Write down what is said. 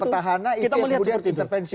petahana itu kemudian intervensi hukum ini